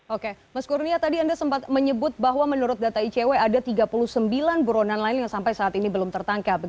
oke mas kurnia tadi anda sempat menyebut bahwa menurut data icw ada tiga puluh sembilan buronan lain yang sampai saat ini belum tertangkap